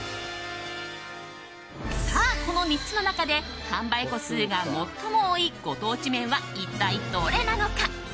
この３つの中で販売個数が最も多いご当地麺は一体どれなのか。